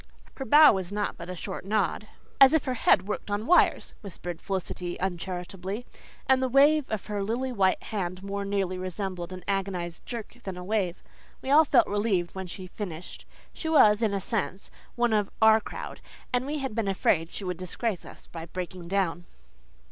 Her bow was naught but a short nod "as if her head worked on wires," whispered Felicity uncharitably and the wave of her lily white hand more nearly resembled an agonized jerk than a wave. We all felt relieved when she finished. She was, in a sense, one of "our crowd," and we had been afraid she would disgrace us by breaking down.